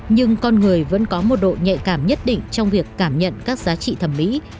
nhưng con người vẫn có một độ nhạy cảm nhất định trong việc cảm nhận các giá trị thẩm mỹ